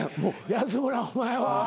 安村お前は。